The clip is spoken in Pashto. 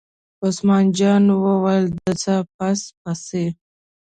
عثمان جان وویل: د څه پس پسي.